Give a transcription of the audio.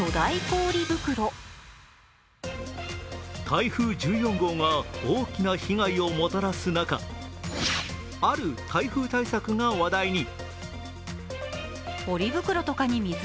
台風１４号が大きな被害をもたらす中、ある台風対策が話題に。